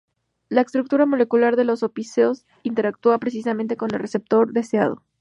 La estructura molecular de los opiáceos interactúa precisamente con el receptor deseado.